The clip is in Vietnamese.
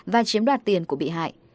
và chiếm đoạt tiền của bị hại